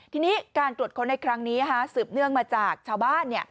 ทีนี้การตรวจค้นในครั้งนี้สืบเนื่องมาจากชาวบ้าน